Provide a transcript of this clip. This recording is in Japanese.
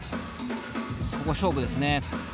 ここ勝負ですね。